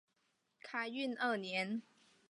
开运二年。